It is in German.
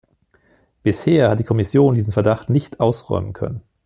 Bisher hat die Kommission diesen Verdacht nicht ausräumen können.